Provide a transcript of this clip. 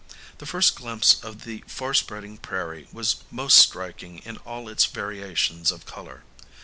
The first glimpse of the far spreading prairie was most striking in all its variations of colour.